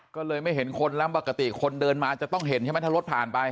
ก็เลยไม่เห็นคนแล้วปกติคนเดินมาจะต้องเห็นใช่ไหมถ้ารถผ่านไป